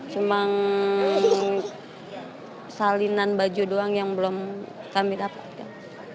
cuma salinan baju doang yang belum kami dapatkan